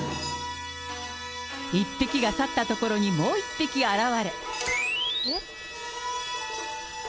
１匹が去ったところにもう１匹現れ。